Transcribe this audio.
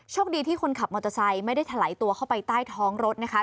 คดีที่คนขับมอเตอร์ไซค์ไม่ได้ถลายตัวเข้าไปใต้ท้องรถนะคะ